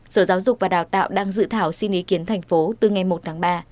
sở giáo dục và đào tạo đang dự thảo xin ý kiến thành phố từ ngày một tháng ba